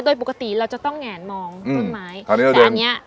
โดยปกติเราจะต้องแหงนมองต้นไม้อืมคราวนี้เราเดินปกติเลยแบบเนี้ย